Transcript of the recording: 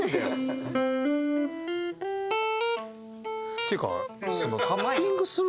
っていうか。